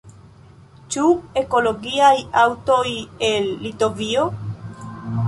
Ĉu ekologiaj aŭtoj el Litovio?